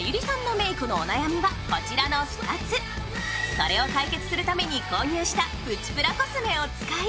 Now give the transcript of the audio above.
それを解決するために購入したプチプラコスメを使い